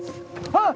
あっ！